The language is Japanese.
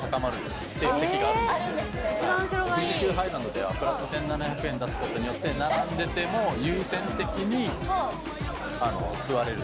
富士急ハイランドではプラス１，７００円出すことによって並んでても優先的に座れるっていう。